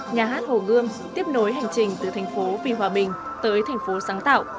nhà hát hồ gươm tiếp nối hành trình từ thành phố vì hòa bình tới thành phố sáng tạo